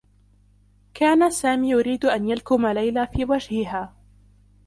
كان سامي يريد أن يلكم ليلى في وجهها.